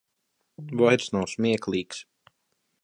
Vairs nav smieklīgs.